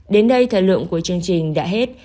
đến đây thời lượng của chương trình đã hết